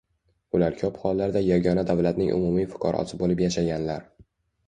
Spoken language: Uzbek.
Ular ko‘p hollarda yagona davlatning umumiy fuqarosi bo‘lib yashaganlar.